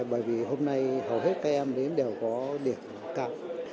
bởi vì hôm nay hầu hết các em đến đều có điểm cao